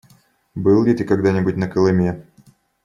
Был ли ты когда-нибудь на Колыме?